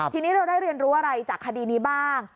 ทีนี้เราได้เรียนรู้อะไรจากคดีนี้บ้าง